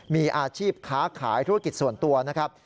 มีอาชีพค้าขายธุรกิจส่วนตัวนะครับ